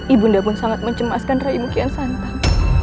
ibunda pun sangat mencemaskan rai mukian santang